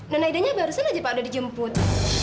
don aida nya barusan aja pak udah dijemput